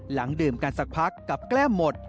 ดื่มกันสักพักกับแก้มหมด